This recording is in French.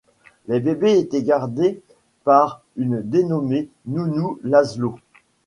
Les bébés étaient gardés par une dénommée Nounou Lazlo.